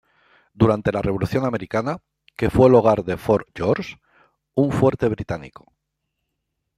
Durante la Revolución Americana, que fue el hogar de Fort George, un fuerte británico.